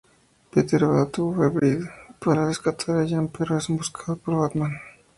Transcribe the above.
Peter va a Tower Bridge para rescatar a Jane pero es emboscado por Batman.